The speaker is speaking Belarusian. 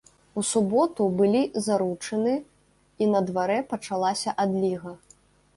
У суботу былі заручыны, і на дварэ пачалася адліга.